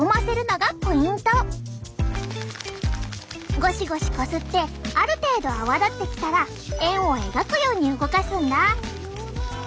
ゴシゴシこすってある程度泡立ってきたら円を描くように動かすんだ。